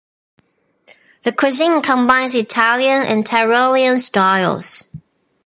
The cuisine combines Italian and Tyrolean styles.